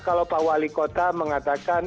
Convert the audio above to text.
kalau pak wali kota mengatakan